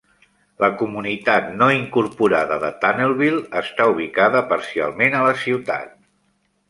La comunitat no incorporada de Tunnelville està ubicada parcialment a la ciutat.